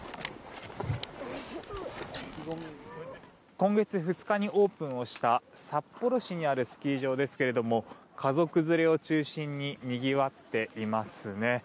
今月２日にオープンした札幌市にあるスキー場ですけれども家族連れを中心ににぎわっていますね。